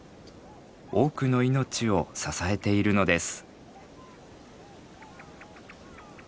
多くの命を支えているのです。